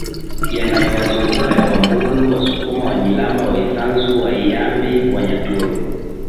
yanayowazunguka ya Wambulu Wasukuma Wanyilamba Waisanzu Waiambi Wanyaturu